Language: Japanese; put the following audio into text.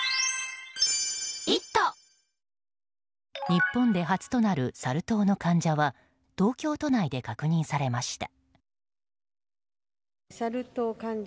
日本で初となるサル痘の患者は東京都内で確認されました。